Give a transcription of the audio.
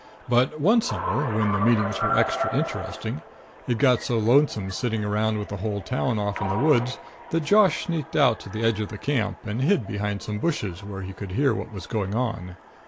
But one summer when the meetings were extra interesting, it got so lonesome sitting around with the whole town off in the woods that Josh sneaked out to the edge of the camp and hid behind some bushes where he could hear what was going on.